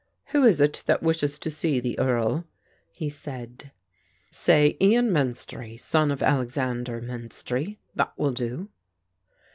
"Who is it that wishes to see the Earl?" he said. "Say, Ian Menstrie, son of Alexander Menstrie; that will do."